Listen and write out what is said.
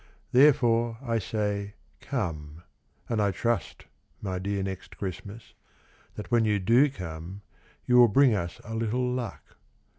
Therefore, I say "Come," And I trust, my dear Next Christmas, That when you do come You will bring us a little luck.